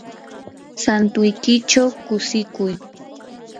santuykichaw kushikuy.